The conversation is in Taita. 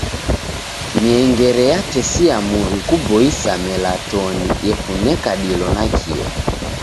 Miengere yatesia muw'i kuboisa melatoni ekuneka dilo nakio.